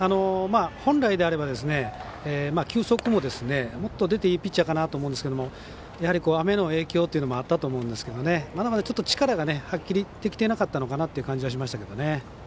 本来であれば球速ももっと出ていいピッチャーかなと思うんですけど雨の影響もあったんですけど力が発揮できていなかったのかなという感じがしましたけどね。